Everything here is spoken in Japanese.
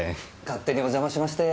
勝手にお邪魔しまして。